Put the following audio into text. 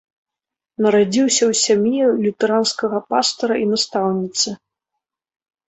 Нарадзіўся ў сям'і лютэранскага пастара і настаўніцы.